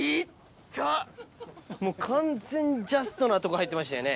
もう完全ジャストなとこ入ってましたよね。